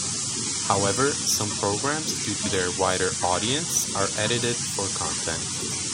However, some programs, due to their wider audience, are edited for content.